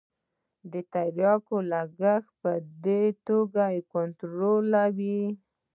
د تریاکو کښت په دې توګه کنترولوي.